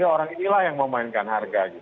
tiga orang inilah yang memainkan harga